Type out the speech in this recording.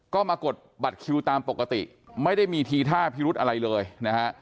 ก็มากดบัตรคิวตามปกติไม่ได้มีทีท่าพิรุธอะไรเลยนะฮะ